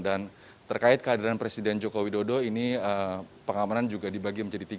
dan terkait kehadiran presiden joko widodo ini pengamanan juga dibagi menjadi tiga ring